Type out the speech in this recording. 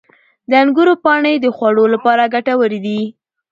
• د انګورو پاڼې د خوړو لپاره ګټور دي.